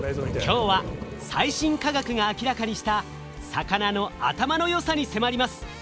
今日は最新科学が明らかにした魚の頭の良さに迫ります。